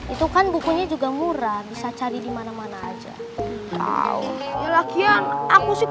itu kan bukunya juga murah bisa cari dimana mana aja tahu lagi yang aku sih